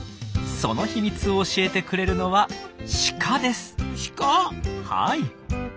その秘密を教えてくれるのはシカです！